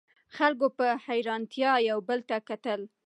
خلکو په حیرانتیا یو بل ته کتل.